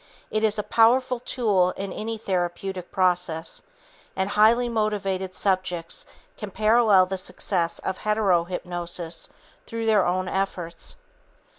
It is a powerful tool in any therapeutic process, and highly motivated subjects can parallel the success of hetero hypnosis through their own efforts.